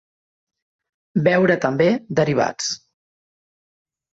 Veure també Derivats.